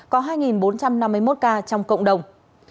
có hai bốn trăm năm mươi một ca trong cộng đồng